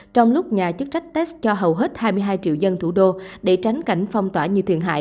trong lúc nhà chức trách test cho hầu hết hai mươi hai triệu dân